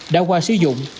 đã qua sử dụng